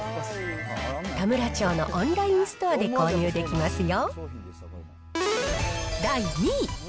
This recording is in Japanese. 田村長のオンラインストアで購入できますよ。